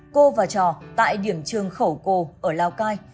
cô và chò tại điểm trường khẩu cồ ở lao cai